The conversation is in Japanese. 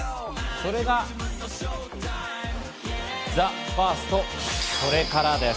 それが「ＴＨＥＦＩＲＳＴそれから」です。